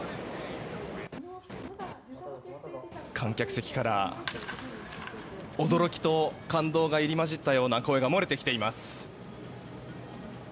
観客席から驚きと感動が入り交じったような声が漏れてきています。